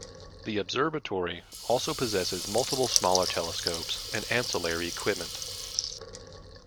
The observatory also possesses multiple smaller telescopes and ancillary equipment.